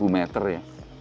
seribu meter ya